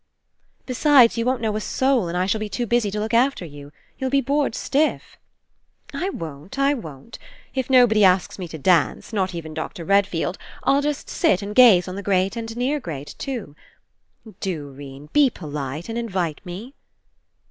"Besides, you won't know a soul and I shall be too busy to look after you. You'll be bored stiff." "I won't, I won't. If nobody asks me to dance, not even Dr. Redfield, I'll just sit and gaze on the great and the near great, too. Do, 'Rene, be polite and invite me."